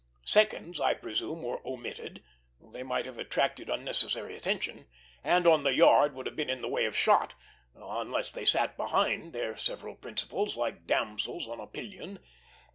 Seconds, I presume, were omitted; they might have attracted unnecessary attention, and on the yard would have been in the way of shot, unless they sat behind their several principals, like damsels on a pillion.